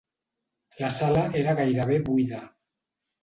La sala era gairebé buida.